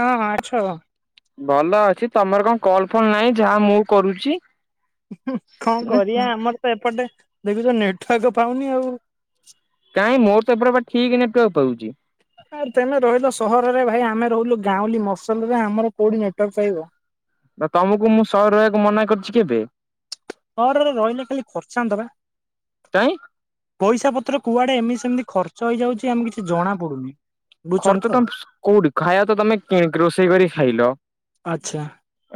ହଁ ଅଛ। [unintelligible] ଭଲ ଅଛି, ତମର କଣ କଲ ଫଲ ନାହିଁ ଯାହା ମୁଁ କରୁଛି। କଣ କରିବା, ଆମର ତ ଏପଟେ ଦେଖୁଛ ନେଟୱାର୍କ ପାଉନି ଆଉ। କାହିଁ ମୋର ତ ଏପଟ ବା ଠିକ ନେଟୱାର୍କ ପାଉଛି। ଆଉ ତମେ ରହିଲ ସହରରେ, ଭାଇ ଆମେ ରହିଲୁ ଗାଁଲି ମଫସଲିରେ, ଆମର କୋଉଠି ନେଟୱାର୍କ ପାଇବ। ନା ତମକୁ ମୁଁ ସହ ରହିବାକୁ ମନା କରିଛି କେବେ। ରହିଲେ ଖାଲି ଖର୍ଚାନ୍ତ ପା କାଇଁ ପଇସା। ତ୍ର କୁଆଡେ ଏମିତି ସେମିତି ଖର୍ଚ୍ଚ ହେଇଯାଉଛି, ଆମେ କିଛି ଜଣା ପଡୁନି। ବୁଝୁଛନ୍ତି ଖର୍ଚ୍ଚ ତ ତମ କୋଉଠି ଖାଇବା ତ ତମେ କିଣି ରୋଷେଇ କରି ଖାଇଲ। ଆଚ୍ଛା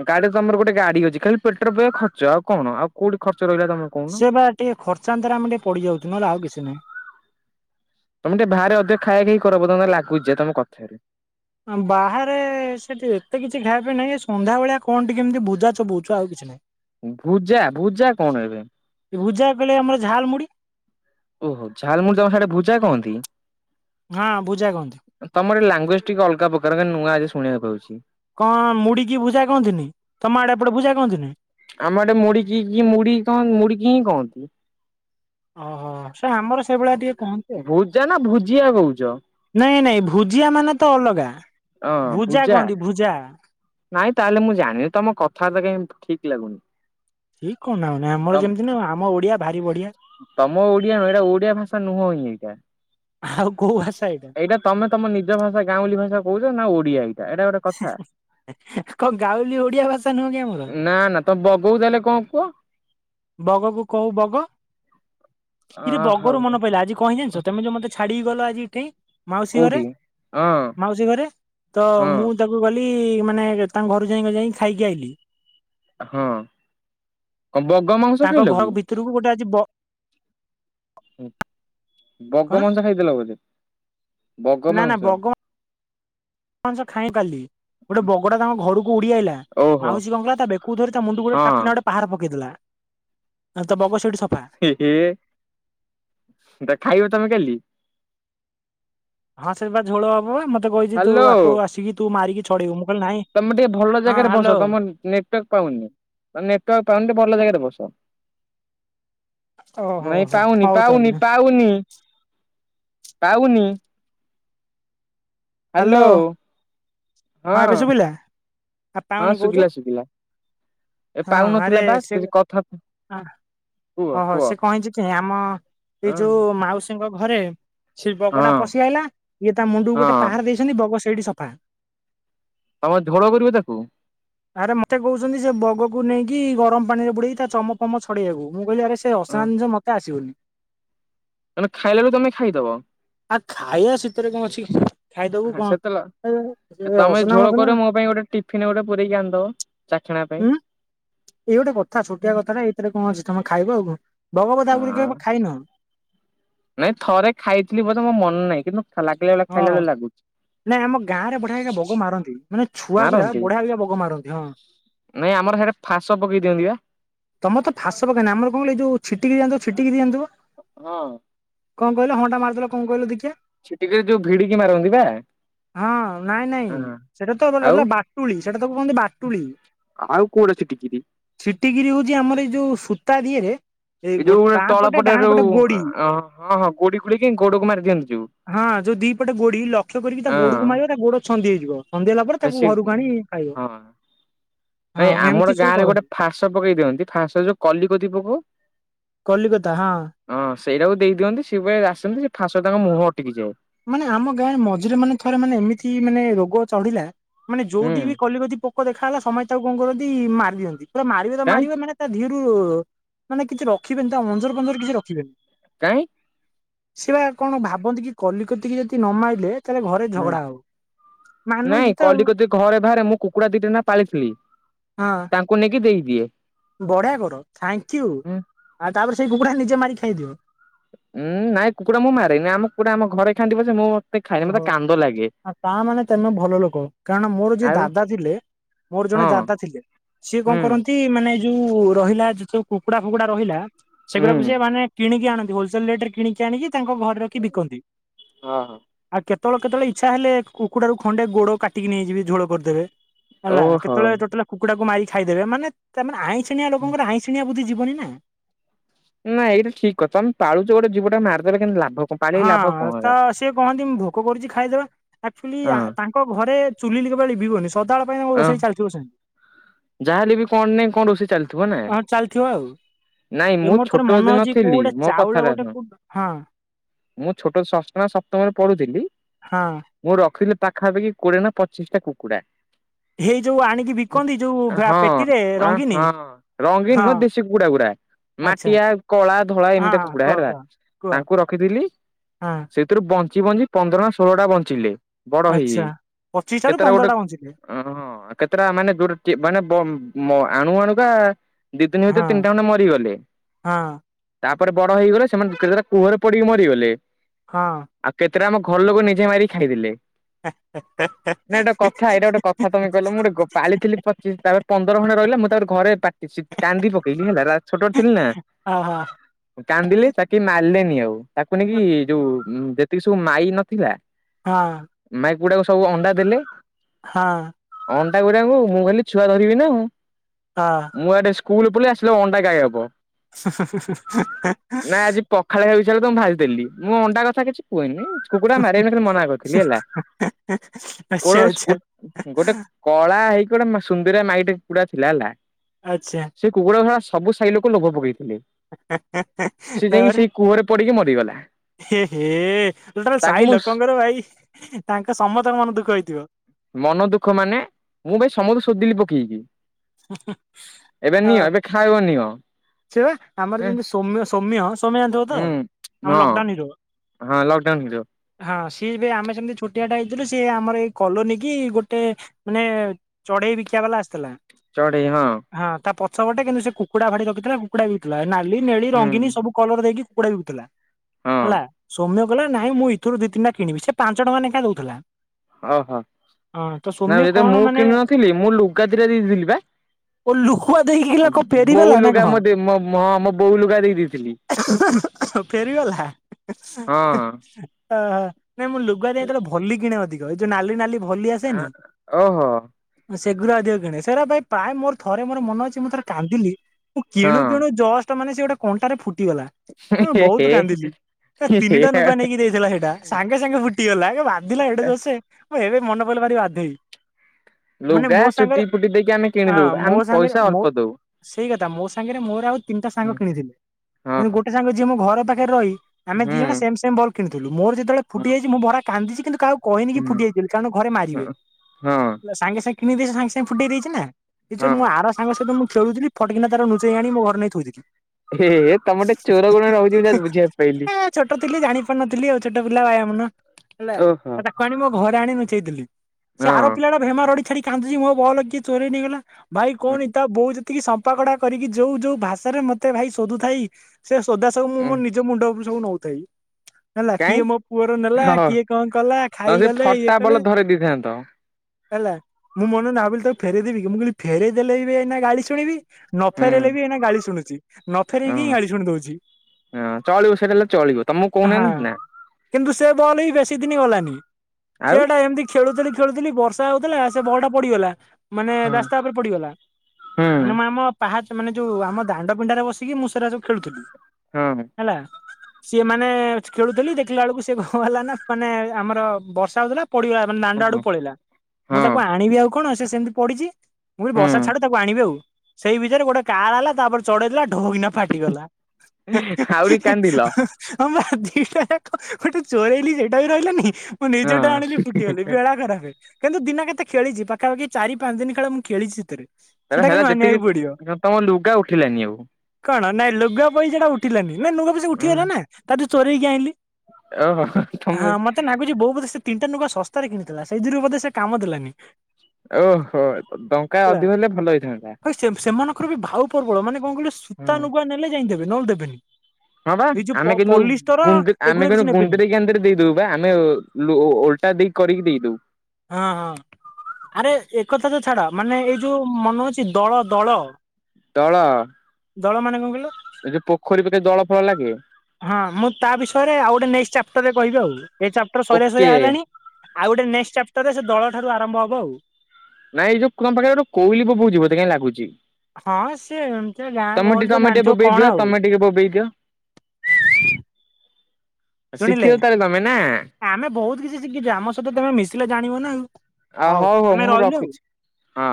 ଗାଡିରେ, ତମର ଗୋଟେ ଗାଡି ଅଛି ଖାଲି ପେଟ୍ରୋଲ ପକେଇବା ଖର୍ଚ୍ଚ ଆଉ କଣ ଆଉ କୋଉଠି ଖର୍ଚ। ସେ ବା ଟିକେ ଖର୍ଚ୍ଚାନ୍ତରେ ଆମେ ଟିକେ ପଡିଯାଉଛୁ, ନହେଲେ ଆଉ କିଛି ନାହିଁ। ତମେ ଟିକେ ବାହାରେ ଅଧିକ ଖାଇଵା ଖୀ କର ବୋଧେ ତମେ ଲାଗୁଛି ଯେ ତମ କଥାରେ। ବାହାରେ ସେଠି ଏତେ କିଛି ଖାଇବା ପାଇଁ ନାହିଁ, ସନ୍ଧ୍ୟା ଭଳିଆ କଣ ଟିକେ କେମିତି ବୁଜା ଚୋବଉଛୁ ଆଉ କିଛି ନାହିଁ। ଭୁଯା, ଭୁଯା କଣ ଏବେ? ଭୁଜା ଆମର ଝାଲ ମୁଡି। ଓହୋ ଝାଲମୁଢ଼ି ତମ ସିଆଡ଼େ ଭୂଜା କହନ୍ତି? ହଁ ବୁଝା କୁହନ୍ତି। [unintelligible] ଟିକେ ଅଲଗା ପ୍ରକାର କାଇଁ ନୂଆ ଆଜି ଶୁଣିବାକୁ ପାଉଚି। କଣ ମୁଡିକି ଭୁଜା କହନ୍ତିନି ତମ ଆଡ଼େ ପଟେ ଭୁଜା କହନ୍ତିନି। ଆମର ଆଡ଼େ ମୁଡିିକି କି ମୁଡିକି ମୁଡିକି ହିଁ କହନ୍ତି। ଓହୋ ସେ ଆମର ସେଇଭଳିଆ ଟିକେ କହନ୍ତି ଆଉ ଭୁଜା ନା ଭୁଜିଆ କହୁଛ ନାଇଁ ନାଇଁ ଭୁଜିଆ ମାନେ ତ ଅଲଗା ଭୁଜା କହନ୍ତି ଭୁଜା। ନାଇଁ ତାହେଲେ ମୁଁ ଜାଣିନି ତମ କଥାବାର୍ତ୍ତା କାଇଁ ଠିକ ଲାଗୁନି। ଇଏ କଣ ନା ତମ ଆମର ଯେମିତି ନା ଆମ ଓଡିଆ ଭାରି ବଡିିଆ। ତମ ଓଡିଆ ନୁହେଁ ଏଟା ଓଡିଆ ଭାଷା ନୁହଁଇଏଇଟା। ଆଉ କୋଉ ଭାଷା ଏଇଟା ତମେ ତମ ନିଜ ଭାଷା ଗାଁଉଁଲି ଭାଷା କହୁଛ। ନା ଓଡିଆ ଏଇଟା ଏଇଟା ଗୋଟେ କଥା। କଣ ଗାଉଁଲି ଓଡିଆ ଭାଷା ନୁହଁ କି ଆମର? ତ ବଗକୁ ଦେଲେ କଣ କୁହ? ବଗ କୁ କହୁ ବଗ। ଅ ଇରେ ହଉ ବଗରୁ ମନେ ପଇଲା ଆଜି କଣ ହେଇଚି ଜାଣିଚ ତମେ ଯୋଉ ମତେ ଛାଡିକି ଗଲ ଆଜି ଏଠି। ମାଉସୀ ଘରେ, କୋଉଠି? ହଁ ମାଉସୀ ଘରେ ତ ହଁ ମୁଁ ତାକୁ ଗଲି ଇ ମାନେ ତାଙ୍କ ଘରୁ ଯାଇ ଯାଇ ଖାଇକି ଆଇଲି। ହଁ ଙ୍କ ବଗ ମାଂସ ତାଙ୍କ ଖାଇଲ ଘର କି? ଭିତରକୁ ଗୋଟେ ଆଜି ବ କଣ ବଗ ମଞ୍ଚ ଖାଇଦେଲ ବୋଧେ ବଗ ମାଂସ। କଞ୍ଚ ଖାଇପଲି [unintelligible] ଗୋଟେ ବଗଡା ତାଙ୍କ ଘରକୁ ଉଡିଆଇଲା, ଓହୋ ମାଉସୀ କିଲ ତା ବେକୁ ଥରି ତା ମୁଣ୍ଡକୁ ଗୋଟେ ହଁ। ଟାକିନା ଗଟେ ପହାର ପକଦେଲା ହେ ତ ଖାଇବ ତମେ କାଲି। ମ ସେ ବା ଝୋଳ ହବ, ମତେ କହିଛି ତୁ ହ୍ୟାଲୋ। ଆକୁ ଆସିକି ତୁ ମାରିକି ଛଡେଇବୁ। କହିଲି ନାଇଁ ତମେ ଟିକେ ଭଲ ହଁ ଜାଗାରେ ବସ, ହ୍ୟାଲୋ। ତମ ନେଟୱାର୍କ ପାଉନି, ତେ ନେଟୱାର୍କ ପାଉନ ଟିକେ ଭଲ ଜାଗାରେ ବସ। ଓହୋ ନାଇ ହୋ ପାଉନି, ହଉ ପାଉନି, ତାହେଲେ ପାଉନି, ପାଉନି। ହାଲୋ। ହ୍ୟାଲୋ ଏବେ ହଁ, ଶୁଭିଲା ଆଉ ହଁ, ପାଉନି କହୁଛ। ଶୁଖିଲା ଶୁଖିଲା ଏ ହଁ ଆରେ ପାଉନଥିଲା ବା, ସେ କିଛି କଥା କୁହ ଓହୋ, କୁହ ସେ କହିଚ କି ଆମ ଏଇ ହଁ ଯୋଉ ମାଉସୀଙ୍କ ଘରେ ସେ ବଗଡା ହଁ। ପଶି ଆଇଲା, ଇଏ ତା ମୁଣ୍ଡକୁ ଗୋଟେ ହଁ ପାହହାର ଦେଇଛନ୍ତି, ବଗ ସେଇଠି ସଫା। ତମେ ଝୋଳ କରିବ ତାକୁ ଆରେ ମତେ କହୁଛନ୍ତି, ସେ ବଗକୁ ନେଇ କି ଗରମ ପାଣିରେ ବୁଡେଇ ତା ଚମ ଫମ ଛଡ଼େଇକୁ, ମୁଁ କହି ଆରେ ସେସନା ଜିନିଷ ମତେ ଆସିବନି ତମେ ଖାଇଲା ବଳେ ତମେ ଖାଇଦବ। ଆ ଖାଇବା ଶୀତରେ କଣ ଅଛି ଖାଇଦବୁ କ? ସେତେବେଳେ ତମେ ଝୋଳ କର ମୋ ପାଇଁ ଗୋଟେ, ଟିଫିନ ଗୋଟେ ପୁରଇକି ଆଣିଦବ, ଚାରିଟା ବେଳ ପାଇଁ ହୁଁ ଏଇ ଗୋଟେ କଥା, ଛୋଟିଆ କଥାଟା ଏଇଥିରେ କଣ ଅଛି, ତମେ ଖାଇବ ଆଉ ଭଗବଧ ଆଗରୁରେ ହଁ ଖାଇନ ନାଇଁ ଥରେ ଖାଇଥିଲି ବୋଧେ ମୋ ମନ ନାହିଁ କିନ୍ତୁ ଲାଗିଲା ବଳିଆ ଖାଇଲା ହଁ ବଳେ ଲାଗୁଛି। ନାଇଁ ଆମ ଗାଁରେ ବଢିଆ ହେକା ବଗ ମାରନ୍ତି ମାନେ ଛୁଆ ଗୁଡା ମାରନ୍ତି ବଢିଆ ହୋ ବଗ ମାରନ୍ତି, ହଁ। ନାଇଁ ଆମର ସେଟା ଫା ତମେ ତ ଫାସ ପକେଇନ ଆମର କଣ କହି ଏ ଯୋଉ ଛିଟିକି ଯିଆଛନ୍ତି ଛିଟିକି ଆନୁଥିବ। ହଁ। କଣ କହିଲ ହଁ ଟା ମାରିଦେଲ କଣ କହିଲୁ ଦେଖିଆ? ଛିଟିକିରେ ଯୋଉ ଭିଡିକି ମାରନ୍ତି ପା। ହଁ ନାଇଁ ନାଇଁ ସେଟା ତ ଆଉ। ରହିଲା ବାଟୁଳି ସେଟା ତ କୁହନ୍ତି ବାଟୁଳି। ଆଉ କୋଉ ଛିଟିିକିରି ହଉଛି ଆମର ଏଇ ଯୋଉ ସୂତା ଦିଏରେ। ଏଇ ଯୋଉ ଗୋଟେ ତଳ ପଟେ ଯୋଉ ହଁ ହଁ ଗୋଡି ଖୋଳିକି ଗୋଡକୁ ମାରି ଦିଅନ୍ତୁ ଯୋଉ। ହଁ ଯୋଉ ଦି ପଟେ ଗୋଡି ଲକ୍ଷ୍ୟ କରିକି ତା ଗୋଡକୁ ମାରିବ ତା ଗୋଡ ଛନ୍ଦି ହେଇଯିବ। ଛନ୍ଦି ହେଲା ପରେ ତ ତାକୁ ଘରକୁ ଆଣି ଖାଇବ। ହଁ। ହଁ ନାଇଁ ଏମିତି ଆମର ସବୁ ଗାଁରେ ଗୋଟେ କରନ୍ତି ଫାସ ପକେଇ ଦିଅନ୍ତି ଫାସ ଯୋଉ କଲିକତି ପକଉ କଲିକତା ହଁ। ସେଇଟାକୁ ଦେଇଦିଅନ୍ତି ସିଏ ଆସନ୍ତି ସେ ଫାସ ତାଙ୍କ ମୁହଁ ଅଟିକି ଯାଏ। ମାନେ ଆମ ଗାଁରେ ମଝିରେ ମାନେ ଥରେ ମାନେ ଏମିତି ମାନେ ରୋଗ ଚଢିଲା। ମାନେ ଯୋଉଠିକି ହୁଁ ବି କଲିକତି ପୋକ ଦେଖା ହେଲା ସମସ୍ତେ ତାକୁ କଣ କରନ୍ତି ମାରି ଦିଅନ୍ତି। ପା ମାରିବେ ତ କାଇଁ ମାରିବେ ମାନେ ତା ଦେହରୁ ମାନେ କିଛି ରଖିବେନି ତା ମଞ ପଞ୍ଜର କିଛି ରଖିବେନି। କାଇଁ? ସେ ବା କଣ ଭାବନ୍ତି କି କଲିକତିକି ଯଦି ନ ମାଇଲେ ତାହେଲେ ଘରେ ହୁଁ। ଝଗଡା ହବ। ମାନନ୍ତି ନାଇଁ ତ ଆଉ କଲିକତି ଘରେ ବାହାରେ ମୁଁ କୁକୁଡା ଦିଟା ନା ପାଳିଥିଲି ହଁ। ତାଙ୍କୁ ନେଇକି ଦେଇ ବଢିଆ କର ଥାଙ୍କ ୟୁ ଆଉ ତାପରେ ସେଇ କୁକୁଡା ନିଜେ ମାରି ଖାଇଦିଅ। ଉ ନାଇଁ କୁକୁଡ଼ା ମୁଁ ମାରେନି ଆମ କୁକୁଡା ଆମ ଘରେ ଖାଆନ୍ତି ବସେ ମୁଁ ମତେ ଖାଇଲିି ଓହୋ ମତେ କାନ୍ଦ ଲାଗେ। ତା ମାନେ ତମେ ଭଲ ଲୋକ କାରଣ ମୋର ଯିଏ ଆଉ ଦାଦା ଥିଲେ। ମୋର ଜଣେ ହଁ ଦାଦା ଥିଲେ ସିଏ ହୁଁ କଣ କରନ୍ତି ମାନେ ଯଉ ରହିଲା ଯୋଉ କୁକୁଡା ଫୁକୁଡା ରହିଲା ସେଗୁଡାକୁ ହୁଁ। ସେ ମାନେ କିଣିକି ଆଣନ୍ତି ହୋଲସେଲ ରେଟ ରେ କିଣିକି ଆଣିକି ତାଙ୍କ ଘରେ ରଖି ବିକନ୍ତି। ହଁ ହଁ। ଆଉ କେତେବେଳେ କେତେଳେ ଇଚ୍ଛା ହେଲେ କୁକୁଡାରୁ ଖଣ୍ଡେ ଗୋଡ କାଟିକି ନେଇଯିବେ ଝୋଳ କରିଦେବେ। ହେଲା ଓହୋ। କେତେବେଳେ ଟୋଟାଲ କୁକୁାଡାକୁ ମାରିକି ଖାଇ ଦେବେ ମାନେ ତାମାନେ ଆଇଁ ସିଣିଆ ଲୋକଙ୍କର ଆଇଁ ସିଣିଆ ବୁଦ୍ଧି ଯିବନି ନା। ନାଁ ଏଇଟା ଠିକ କଥା ତମେ ପାଳୁଛ ଗୋଟେ ଜୀବଟା ମାରିଦେଲେ କେମିତି ଲା ହଁ ତ ସିଏ କହନ୍ତି ମୁଁ ଭୋକ କରୁଛି ଖାଇଦବା ଆକ୍ଚୁଆଲି ହଁ ତାଙ୍କ ଘରେ ଚୁଲି କେବେ ଲିିଭିବନି ସଦାବେଳେ ପାଇଁ ରୋଷେଇ ଚାଲିଥିବ ସେମିତି। ଯାହା ହେେଲେ ବି କଣ ନାାଇଁ କଣ ରୋଷେଇ ଚାଲିଥିବ ନା? ହଁ ଚାଲିଥିବ ଆଉ ନାଇଁ ଏ ମୁଁ ମୋର ଥରେ ଛୋଟ ମନେ ଯେତଵେଳେ ଅଛି କୋଉ ନଥିଲି ଗୋଟେ ମୋ ଚାଉଳ କଥାଟା ଗୋଟେ ସୁଣ। କୋଉ ହଁ ମୁଁ ଛୋଟ ଷଷ୍ଠ ନା ସପ୍ତମରେ ପଢୁଥିଲି ହଁ ମୁଁ ରଖିଲି ପାଖାପଖି କୋଡିଏ ନା ପଚିଶି ଟା କୁକୁଡ଼ା ତା ହେଇ ଯୋଉ ଆଣିକି ବିକନ୍ତି ଯୋଉ ଭା ପେଟିରେ ହଁଆ ରଙ୍ଗିନୀ ହଁ ରଙ୍ଗୀନ୍ ହଁ ନୁହଁ ଦେଶୀ କୁକୁଡା ଗୁଡା। ଆଚ୍ଛା ମାଟିଆ କଳା ଧଳା ହଁ ଏମିତି ହଁ କୁକୁଡା କୁହ ହେଲା କୁହ କୁହ ତାଙ୍କୁ ରଖିଥିଲି। ହଁ ସେଥିରୁ ବଞ୍ଚି ବଞ୍ଚି ପନ୍ଦର ନା ଷୋଳଟା ବଞ୍ଚିଲେ। ବଡ ଆଚ୍ଛା। ହେଇହେଇ ପଚିଶଟାରୁ କେତେଟା ଗୋଟେ ପନ୍ଦରଟା ବଞ୍ଚିଲେ ଓହୋ କେତେଟା ମାନେ ଯୋଉ ମାନେ ଆଣୁ ଆଣୁକା ଦି ଦିନି ହଁ ଭିତରେ ତିନିଟା ଖଣ୍ଡେ ମରିଗଲେ। ହଁ ତାପରେ ବଡ ହେଇଗଲେ ସେମାନେ କେତେଟା କୁଅରେ ପଡିକି ମରିଗଲେ। ହଁ। ସେରେ ଆମ ଘର ଲୋକ ନିଜେ ମାରି ଖାଇଦେଲେ। ନା ଏଇଟା କଥା ଏଇଟା ଗୋଟେ [unintelligible] କଥା ତମେ କହିଲ ମୁଁ ଗୋଟେ ପାଳିଥିଲି ପଚିଶ ତାପରେ ପନ୍ଦର ଘଣ୍ଡେ ରହିଲା ମୁଁ ତାପରେ ଘରେଟି କାନ୍ଦି ପକେଇଲି ହେଲା। ଛୋଟ ଥିଲି ନା ଓ ହୋ। କାନ୍ଦିଲି ତାକି ମା ପାଳିଲିନି ଆଉ ତାକୁ ନେଇକି ଯୋଉ ଯେତିକି ସବୁ ମାଇ ନଥିଲା ହଁ। ଗୁଡାକ ସବୁ ଅଣ୍ଡା ଦେଲେ। ହଁ। ଅଣ୍ଡା ଗୁରାଙ୍କୁ ମୁଁ କହିଲି ଛୁଆ ଧରିବି ନା ମୁଁ, ମୁଁ ଆଡେ ସ୍ କୁଲୁ ପଲେଇ ଆସିଲେ ଅଣ୍ଡା ଖାଇ ହବ। [unintelligible] ଚେଲ୍ ତ ମୁଁ ଭାଜିଦେଲି ମୁଁ ଅଣ୍ଡା କଥା କିଛି କୁହେନି। କୁକୁଡ଼ା ମାରି [unintelligible] ମନା କରିଥିଲି ହେଲା କୋରୋ ସ୍ ଗୋ ଗୋଟେ କଳା ହେଇକି ଗୋଟେ ମା ସୁନ୍ଦିରା ମାଇଟେ କୁକୁଡା ଥିଲା ହେଲା ସେ କୁକୁଡ଼ା କୁ ଶଳା ସବୁ ସାହି ଲୋକ ଲୋଭ ପକେଇଥିଲେ, ସେ ଯାଇକି ଆରେ ସେଇ କୂଅରେ ପଡିକି ମରିଗଲା। ହେ ହେ ଟୋଟାଲ୍ ତାକୁ ସାହି ମୁଁ ଲୋକଙ୍କର ଭାଇ ତାଙ୍କ ସମସ୍ତଙ୍କ ମନ ଦୁଃଖ ହେଇଥିବ। ମନ ଦୁଃଖ ମାନେ ମୁଁ ଭାଇ ସମସ୍ତକୁ ଶୋଦିଲି ପକେଇକି। ଏବେ ଅ ନିଅ ଏବେ ଖାଇବ ନିଅ। ସେ ବା ଆମର ହୁଁ ଯେମିତି ସୋମ୍ୟ ସୋମ୍ୟ, ସୋମ୍ୟ ଜଣିଥିବ ତ ହୁଁ ଆମର ଲକଡାଉନ୍ ହଁ ହେଇଥିବ। ହଁ ଲକଡାଉନ୍ ହେଇଥିବ। ହଁ ସିଏ ଆମେ ସେମିତି ଛୋଟିଆ ଟା ହେଇଥିଲୁ ସି ଆମର ଏଇ କଲୋନୀ କି ଗୋଟେ ମାନେ ଚଢ଼େ ଇ ବିକା ବାଲା ଆସିଥିଲା। ଚଢ଼େଇ ହଁ। ତା ପଛପଟେ କିନ୍ତୁ ସେ କୁକୁଡ଼ା ଭାଡ଼ି ରଖିଥିଲା କୁକୁଡ଼ା ବିକୁଥିଲା ନାଲି ନେଳି ହୁଁ ରଙ୍ଗିନୀ ସବୁ କଲର୍ ଦେଇକି କୁକୁଡ଼ା ବିକୁଥିଲା ହଁ ହେଲା ସୋମ୍ୟ ଗଲା ନାଇଁ ମୁଁ ଇଥିରୁ ଦି ତିିନ୍ ଟା କିଣିବି ସେ ପାଞ୍ଚ ଟଙ୍କାନେଖା ନୋଉଥିଲା। ଓହୋ ନା [unintelligible] କଣ ମୁଁ ମାନେ କିଣି ନଥିଲି ମୁଁ ଲୁଗା ଦି ଟା ଦେଇ ଦେଲି ବା। ଓ ଲୁଖୁଆ ଦେଇକି କିଣିଲ ପେରି ବାଲା ନା କଁ? ଦି ମ-ମ ମୋ ବୋଉ ଲୁଗା ଦେଇ ଦେଇଥିଲି। ଫେରିଗଲା ହଁ ଅହ ନାଇଁ ମୁଁ ଲୁଗା ଯତେବେଳେ ଭଲି କିଣେ ଅଧିକ ଏଇ ଯୋଉ ନାଲି ନାଲି ଭଲି ଆଁ ଆସେନି। ଓହୋ। ସେଗୁରା ଅଧିକ କିଣେ ସେରା ଭାଇ ପ୍ରାଏ ମୋର ଥରେ ମୋର ମନେ ଅଛି ମୁଁ ଥରେ କାନ୍ଦିଲି ମୁଁ ହଁ କିଣୁ କିଣୁ ଜଷ୍ଟ ମାନେ ସେ ଗୋଟେ କଣ୍ଟାରେ ଫୁଟିଗଲା ଆ ମ ହେ ହେ ବୋହୁତୁ କାନ୍ଦିଛି। ଆ ତିନିଟା ହେ ନୁଗା ନେଇକି ଦେଇଥିଲା ହେଟା ସାଙ୍ଗେ ସାଙ୍ଗେ ଫୁଟିଗଲା ଏ [unintelligible] ବାଧିଲାଏଡ଼େ ଜୋର୍ ସେ। ହ ଏବେ ବି ମନେ ପଡ଼ିଲେ ଭାରି ବାଧେଇ। ମାନେ ଲୁଗା ମୋ ଚୁଟି ସାଙ୍ଗରେ ଫୁଟି ଦେଇକି ଆମେ ହଁ କିଣିଦଉ ମୋ ଆମେ ସାଙ୍ଗରେ ପଇସା ମୋ ଅଳ୍ପ ଦଉ ସେଇ କଥା ମୋ ସ୍ ସାଙ୍ଗରେ ମୋର ଆଉ ତିନିଟା ସାଙ୍ଗ କିଣିଥିଲେ। ତେଣୁ ହଁ ଗୋଟେ ସାଙ୍ଗ ଯିଏ ମୋ ଘର ପାଖରେ ରହି ଆମେ ଦି ହୁଁ ଜଣ ସେମ୍ ସେମ୍ ବଲ୍ କିଣିଥିଲୁ ମୋର ଯେତେବେଳେ ଫୁଟିଯାଇଛି ମୁଁ ଭରା କାନ୍ଦିଛି କିନ୍ତୁ କାହାକୁ କହିନି କି ହୁଁ ଫୁଟିଯାଇଛିି ବୋଲି କାରଣ ଘରେ ମାରିବେ। ହଁ ହେଲା ସାଙ୍ଗେ ସାଙ୍ଗେ କିଣି ଦେଇଛ ସାଙ୍ଗେ ସ୍ ହଁ ଚେଇ ଆଣି ମୋ ଘରେ ନେଇ ମୁଁ ଥୋଇଦେଲି। ହେ ହେ ତମର ଟିକେ ଚୋର ଗୁଣ ରହୁଛି ଯାହା ବୁଝିବାକୁ ପାଇଲି। ଛୋଟୋ ଥିଲି ଜାଣି ପାରୁ ନଥିଲି ଆଉ ଛୋଟ ପିଲା ବାଇଆ ମନ ହେଲା ଓହୋ ଆଉ ତାକୁ ଆଣି ମୋ ଘ ରେ ଆଣି ଲୁଚେଇ ଥିଲି, ସେ ଆର ପିଲା ଟା ଭେମ୍ବା ରଡ଼ି ଛାଡ଼ି କାନ୍ଦୁଛି ମୋ ବଲ କିଏ ଚରେଇ ନେଇଗଲା। ଭାଇ ହଁ କଅନି ତା ବୋଉ ଯେତିକି ସପା କଟା କରିକି ଯୋଉ ଯୋଉ ଭାଷାରେ ମତେ ଭାଇ ଶୋଦୁଥାଇ ସେ ସୋଦା ସବୁ ମୁଁ ମୋ ଉଁ ନିଜ ମୁଣ୍ଡ ଉପରକୁ ସବୁ ନୋଉଥାଇ। ହେଲା କାଇଁ କିଏ ମୋ ପୁଅର ନେଲା ହଁ କିଏ କଣ କଲା ତମେ ସେ ଖାଇଗଲେ ଇଏ ଫଟା କଲେ। ବଲ ଧରେଇ ଦେଇଥାନ୍ତ ହେଲା ମୁଁ ମନେ ମନେ ଭାବିଲି ତାକୁ ଫେରେଇ ଦେବି କି ମୁଁ କହିଲି ଫେରଇ ଦେଲେ ବି ଏଇନା ଗାଳି ଶୁଣିବି ନ ହୁଁ ଫେରେଇଲେ ବି ଏଇନା ଗାଳି ଶୁଣୁଛି ନ ଫେରକି ହିଁ ହଁ। ଗାଳି ଶୁଣି ଦୋଉଛି। ହଁ ଚଳିବ ସେଇଟା ହେଲେ ଚଳିବ ତ ହଁ କିନ୍ତୁ ସେ ବଲ୍ ବି ବେଶୀ ଦିନି ଗଲାନି ଆଉ ସେଟା ଏମିତି ଖେଳୁଥିଲି ଖେଳୁଥିଲି ବର୍ଷା ହୋଉଥିଲା ସେ ବଲ୍ ଟା ପଡିଗଲା। ମାନେ ହଁ ରାସ୍ତା ଉପରେ ପଡିଗଲା ହୁଁ ମାନେ ମୁଁ ଆମ ପାହାଚ ମାନେ ଯୋଉ ଆମ ଦାଣ୍ଡ ପିଣ୍ଡାରେ ବସିକି ମୁଁ ସେରା ସବୁ ଖେଳୁଥିଲୁ। ହହ। ସିଏ ମାନେ ଖେଳୁଥିଲି ଦେଖିଲା ବେଳକୁ ସିଏ କଣ ହେଲା ନା ମାନେ ଆମର ବର୍ଷା ହଉଥିଲା ପଡ଼ିଗଲା ମାନେ ଦାଣ୍ଡ ଆଡ଼କୁ ହଁ ପଳେଇା ମୁଁ ତାକୁ ହଁ ଆଣିବି ଆଉ କଣ ସେ ସେମିତି ପଢିଛି। ମୁଁ କଇଲି ବର୍ଷା ହୁଁ ଛାଡୁ ତାକୁ ଆଣିବି ଆଉ ସେଇ ଭିତରେ ଗୋଟେ କାର ଆଇଲା ତା ଉପରେ ଚଢେଇ ଦେଲା ଢ଼ୋ କିନା ଫାଟିଗଲା ହିଁ ହିଁ ଆହୁରି କାନ୍ଦିଲ ହିଁ ହିଁ [unintelligible] ଇଏ କଣ ଗୋଟେ ଚୋରଇଲି ସେଇଟା ବି ରହିଲାନି। ମୁଁ ନିଜେ ଟା ହଁ ଆଣିଲି ଫୁଟିଗଲି ବେଳା ଖରାପ୍ କିନ୍ତୁ ଦିନା କାତେ ଖେଳିଛି ପାଖା ପାଖି ଚାରି ପାଞ୍ଚ ଦିନ କାଳ ମୁଁ ଖେଳିଛି ସେଥିରେ। ହେଲା ସେଟା ହେଲା କିନ୍ତୁ ମାନିବାକୁ ଯେତିକି ପଡିବ। [unintelligible] ତମ ଲୁଗା ଉଠିଲା କଣ ନାଇଁ ଲୁଗା ପଇସାଟା ଉଠିଲାନି ନା ଲୁଗା ପଇସା ଉଁ ଉଠିଗଲା ନା ତାର ଯୋଉ ଚୋରେଇକି ଆଣିଲି। ଓହୋ ତମେ ହଁ ମତେ ନାଗୁଛି ବୋଉ ବୋଧେ ସେ ତିନିଟା ଲୁଗା ଶସ୍ତାରେ କିଣିଥିଲା ସେଇଥିରୁ ବୋଧେ ସେ କାମ ଦେଲାନି। ଓହୋ ଟଙ୍କା ଅଧିକ ହେଲେ ଭଲ ହେଇଥାନ୍ତା। ଏମାନଙ୍କର ବି ଭାଉ ପ୍ରବଳ ମାନେ କଣ କହିଲେ ସୂତା ହଁ। ଲୁଗା ନେଲେ ଯାଇଁ ଦେବେ ନ ହେଲେ ଦେବେନି। ହଁ ବା ଏଇ ଯୋଉ ପ ଆମେ କିନ୍ତୁ ପଲିଷ୍ଟର ଗୁଁନ୍ଦୁ ଆମେ ଏଗୁଡା କିଛି କିନ୍ତୁ ନେବେନି ଗୁନ୍ଦୁରି ଗାନ୍ଦୁରି ଦେଇଦେଉ ଵା ଆମେ ଓଓଲ ଆଟା ଦେଇ କରିକି ଦେଇଦଉ। ହଁ ହଁ ଆରେ ଏକଥା ତ ଛାଡ଼ ମାନେ ଏଇ ଯୋଉ ମନେ ଅଛି ଦଳ ଦଳ ଦଳ ଦଳ ମାନେ କଣ କହିଲ [inaudible] ଏ ଯଉ ପୋଖରୀ [unintelligible] ଦଳ ଫଳ ଲାଗେ ହଁ ମୁଁ ତା ବିଷୟରେ ଆଉ ଗୋଟେ ନେକ୍ସଟ ଚାପ୍ଟରରେ କହିବି ଆଉ। ଏ ଚାପ୍ଟର ସରିଆ ଓକେ ସରିଆ ହେଲାଣି। ଆଉ ଗୋଟେ ନେକ୍ସ ଚାପ୍ଟରରେ ସେ ଦଳ ଠାରୁ ଆରମ୍ଭ ହବ ଆଉ। ନାଇଁ ଏ ଯୋଉ ତୁମ ପାଖରେ ଗୋଟେ କୋଇଲି ବୋବଉଛି ବୋଧେ କାଇଁ ଲାଗୁଛି। ହଁ ସେ ଏମିତିଆ ଗାଁ [inaudible] ତମେ ଗହଳି ଟିକେ ତ ତମେ ଟିକେ ଜାଣିଥିବ ବୋବେଇ କଣ ଦିଅ ଆଉ ତମେ ଟିକ ବୋବେଇ ଦିଅ। [inaudible] ଶୁଣିଲେ ଶିଖିବ ତା ହେଲେ ତମେ ନା? ଆମେ ବହୁତ କିଛି ଶିଖିଛୁ ଆମ ସହିତ ତମେ ମିଶିଲେ ଜାଣିବ ନା ଆଉ। ଆ ହଉ ଆମେ ମୁଁ ରହିଲୁ ଆଉ। ରଖୁଛି ହଁ।